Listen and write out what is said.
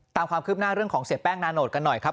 ตามความคืบหน้าเรื่องของเสียแป้งนาโนตกันหน่อยครับ